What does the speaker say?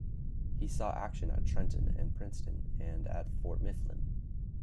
He saw action at Trenton and Princeton, and at Fort Mifflin.